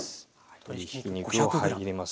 鶏ひき肉を入れます。